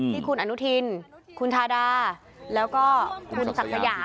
ที่คุณอนุทินคุณชาดาแล้วก็คุณศักดิ์สยา